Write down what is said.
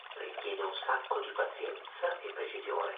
Richiede un sacco di pazienza e precisione.